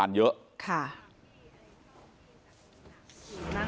พรีบเข้าความภารกิจในการต่อชน